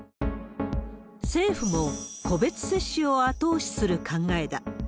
政府も、個別接種を後押しする考えだ。